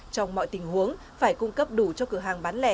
trong mọi tình huống phải cung cấp đủ cho cửa hàng bán lẻ